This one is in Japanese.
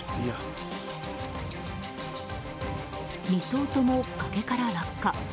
２頭とも崖から落下。